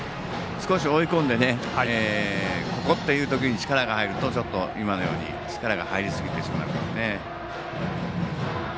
少し追い込んでここというところで力が入ると、今のように力が入りすぎてしまいますね。